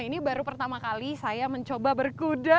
ini baru pertama kali saya mencoba berkuda